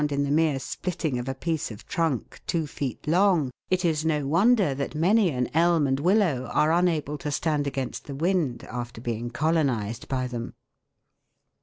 in the mere splitting of a piece of trunk two feet long, it is no wonder that many an elm and willow are unable to stand against the wind after being colonised by them.